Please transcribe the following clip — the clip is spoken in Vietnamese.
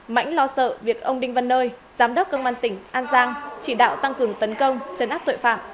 mãnh lo sợ việc ông đinh văn nơi giám đốc công an tỉnh an giang chỉ đạo tăng cường tấn công chấn áp tội phạm